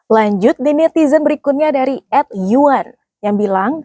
lanjut di netizen berikutnya dari ed yuan yang bilang